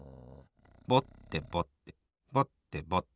ぼってぼってぼってぼって。